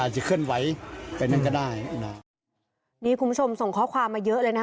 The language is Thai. จะเคลื่อนไหวไปนั่นก็ได้นี่คุณผู้ชมส่งข้อความมาเยอะเลยนะ